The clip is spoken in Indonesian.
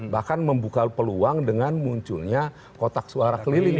bahkan membuka peluang dengan munculnya kotak suara keliling